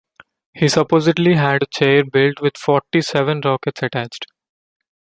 He supposedly had a chair built with forty-seven rockets attached.